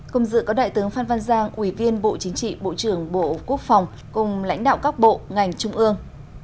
công dự có đại tướng phan văn giang ủy viên bộ chính trị bộ trưởng bộ quốc phòng cùng lãnh đạo các bộ ngành trung ương